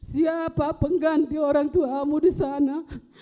siapa pengganti orang tuamu di sana